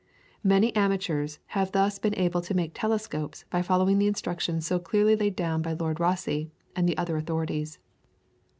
Many amateurs have thus been able to make telescopes by following the instructions so clearly laid down by Lord Rosse and the other authorities.